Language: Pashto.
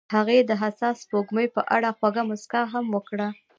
هغې د حساس سپوږمۍ په اړه خوږه موسکا هم وکړه.